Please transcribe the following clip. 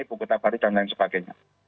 ibukota bari dan lain sebagainya